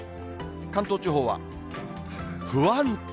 関東地方は不安定。